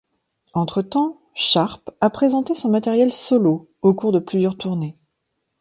Entre-temps, Sharp a présenté son matériel solo au cours de plusieurs tournées.